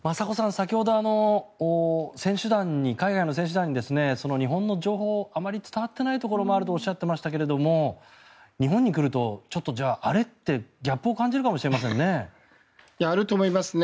先ほど、選手団に海外の選手団に日本の情報があまり伝わっていないところもあるとおっしゃっていましたが日本に来るとちょっとあれ？ってギャップを感じるかもしれませんね。